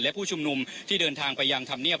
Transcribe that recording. และผู้ชุมนุมที่เดินทางไปยังธรรมเนียบ